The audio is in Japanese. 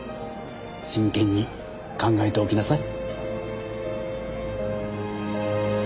真剣に考えておきなさい。